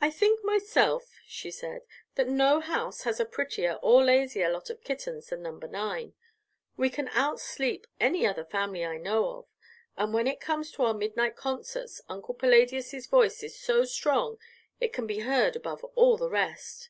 "I think, myself," she said, "that no house has a prettier or lazier lot of kittens than number 9. We can outsleep any other family I know of, and when it comes to our midnight concerts Uncle Palladius' voice is so strong it can be heard above all the rest."